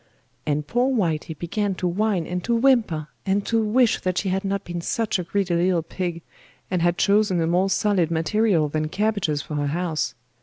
And poor Whitey began to whine and to whimper, and to wish that she had not been such a greedy little pig, and had chosen a more solid material than cabbages for her house.